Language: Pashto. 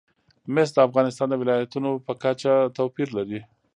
مس د افغانستان د ولایاتو په کچه توپیر لري.